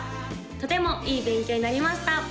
とてもいい勉強になりました